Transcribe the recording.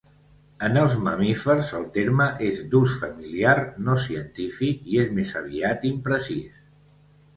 En els mamífers el terme és d'ús familiar, no científic i és més aviat imprecís.